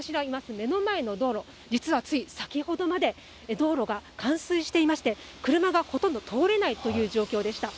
目の前の道路、実はつい先ほどまで、道路が冠水していまして、車がほとんど通れないという状況でした。